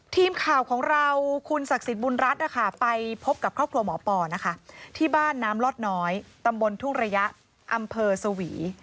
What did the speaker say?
ทีมข่าวของเราคุณศักดิ์สิทธิ์บุญรัฐไปพบกับครอบครัวหมอปอนะคะที่บ้านน้ำลอดน้อยตำบลทุ่งระยะอำเภอสวี